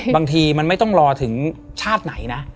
บางทีมันไม่ต้องรอถึงชาติไหนนะ